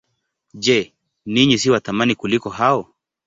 Je, ninyi si wa thamani kuliko hao?